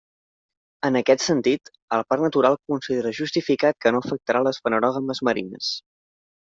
En aquest sentit, el Parc Natural considera justificat que no afectarà les fanerògames marines.